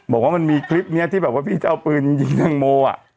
บอกว่ามันมีคลิปนี้ที่แบบว่าพี่จะเอาปืนยิงแตงโมอ่ะ